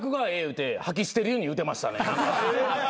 言うて吐き捨てるように言うてましたね。